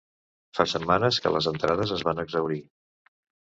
Fa setmanes que les entrades es van exhaurir.